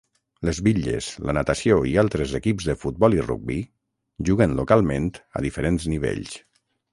Les bitlles, la natació i altres equips de futbol i rugbi juguen localment a diferents nivells.